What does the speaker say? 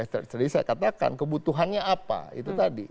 tadi saya katakan kebutuhannya apa itu tadi